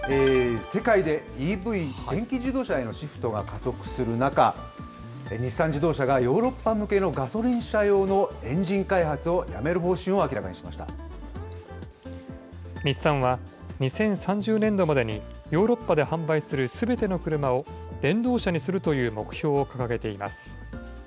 世界でＥＶ・電気自動車へのシフトが加速する中、日産自動車がヨーロッパ向けのガソリン車用のエンジン開発をやめ日産は、２０３０年度までにヨーロッパで販売するすべての車を、電動車にするという目標を掲げています。